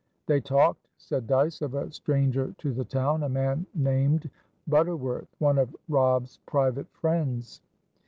They talked, said Dyce, of a stranger to the town, a man named Butterworth, one of Robb's private friends.